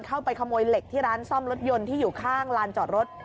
เข้าไปขโมยเหล็กที่ร้านซ่อมรถยนต์ที่อยู่ข้างลานจอดรถ